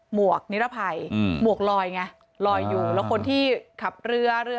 หวกนิรภัยหมวกลอยไงลอยอยู่แล้วคนที่ขับเรือเรือ